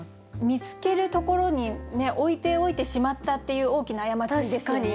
見つけるところに置いておいてしまったっていう大きな過ちですよね。